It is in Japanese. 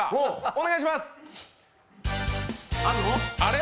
お願いします！